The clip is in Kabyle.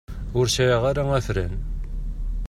Ur sɛiɣ ara afran.